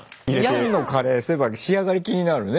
ヤンのカレーそういえば仕上がり気になるね。